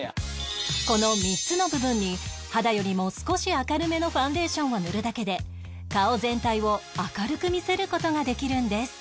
この３つの部分に肌よりも少し明るめのファンデーションを塗るだけで顔全体を明るく見せる事ができるんです